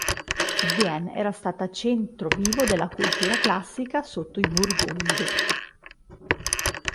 Vienne era stata centro vivo della cultura classica sotto i burgundi.